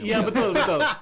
iya betul betul